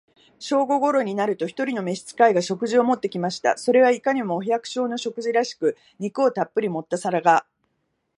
正午頃になると、一人の召使が、食事を持って来ました。それはいかにも、お百姓の食事らしく、肉をたっぶり盛った皿が、